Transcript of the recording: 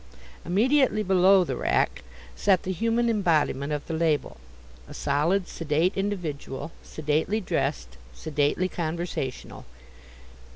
Immediately below the rack sat the human embodiment of the label, a solid, sedate individual, sedately dressed, sedately conversational.